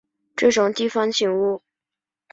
这种地方景物